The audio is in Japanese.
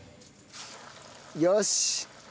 よし。